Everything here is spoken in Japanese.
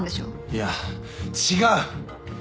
いや違う！